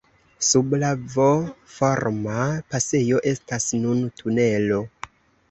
Sub la V-forma pasejo estas nun tunelo.